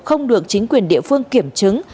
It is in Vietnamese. không được chính quyền địa phương kiểm chứng